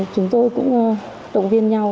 chúng tôi cũng động viên nhau